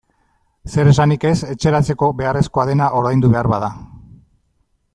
Zer esanik ez etxeratzeko beharrezkoa dena ordaindu behar bada.